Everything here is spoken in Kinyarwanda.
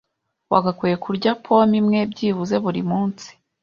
wagakwiye kurya pome imwe byibuze buri munsi